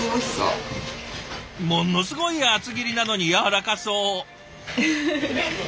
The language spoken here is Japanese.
ものすごい厚切りなのにやわらかそう。